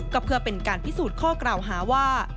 ก็เพื่อเป็นการพิสูจน์ข้อกล่าวหาว่า